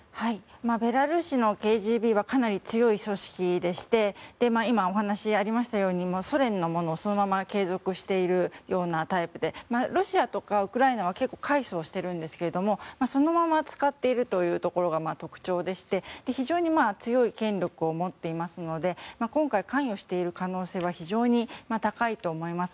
ベラルーシのＫＧＢはかなり強い組織で今、お話にありましたようにソ連のものをそのまま継続しているようなタイプでロシアとかウクライナは対処しているんですがそのまま使っているというところが特徴でして今回、関与している可能性は非常に高いと思います。